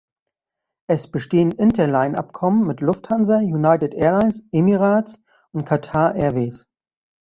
Es bestehen Interline-Abkommen mit Lufthansa, United Airlines, Emirates und Qatar Airways.